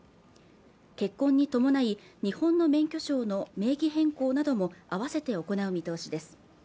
結婚に伴い日本の免許証の名義変更なども併せて行う見通しです